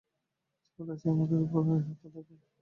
সম্ভবত সে আমাদের ওপর এই হত্যার দায়ভার চাপানোর চেষ্টা করছে।